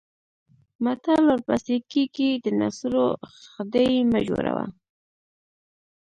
متل ورپسې کېږي د ناصرو خدۍ مه جوړوه.